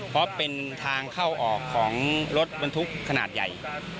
เพราะเป็นทางเข้าออกของรถบรรทุกขนาดใหญ่